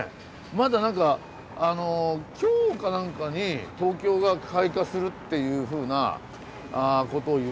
まだ何か今日かなんかに東京が開花するっていうふうなことをいわれてるので。